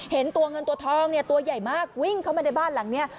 เห็นตัวเงินตัวทองเนี่ยตัวใหญ่มากวิ่งเข้ามาในบ้านหลังนี้